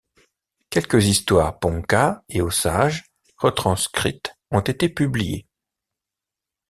Quelques histoires ponca et osages retranscrites ont été publiées.